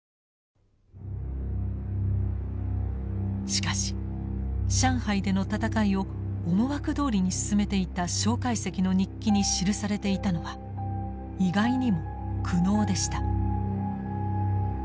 しかし上海での戦いを思惑どおりに進めていた介石の日記に記されていたのは意外にも苦悩でした。